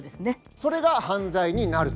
それが犯罪になると。